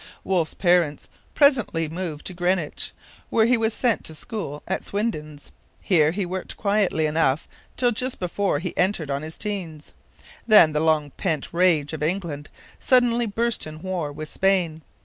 Wolfe's parents presently moved to Greenwich, where he was sent to school at Swinden's. Here he worked quietly enough till just before he entered on his 'teens. Then the long pent rage of England suddenly burst in war with Spain.